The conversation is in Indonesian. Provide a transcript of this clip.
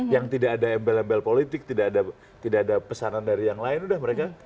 yang tidak ada embel embel politik tidak ada pesanan dari yang lain udah mereka